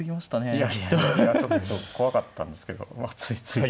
いやいやいやちょっと怖かったんですけどまあついつい。